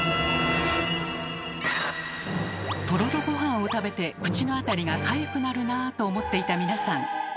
とろろごはんを食べて口のあたりがかゆくなるなと思っていた皆さん。